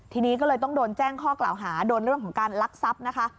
ทีนี้ก็เลยต้องโดนแจ้งข้อกล่าวหาโดนเรื่องของการลักทรัพย์นะคะ